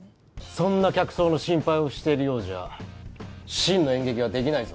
そんな客層の心配をしてるようじゃ真の演劇はできないぞ。